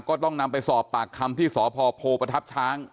ก็ต้องนำไปสอบปากคำที่สพโพประทับช้าง